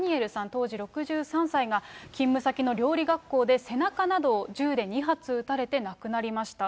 当時６３歳が、勤務先の料理学校で背中などを銃で２発撃たれて亡くなりました。